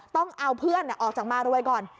ต้องเอาเพื่อนออกมารวยก่อน